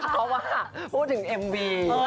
เพราะว่าพูดถึงเอ็มวี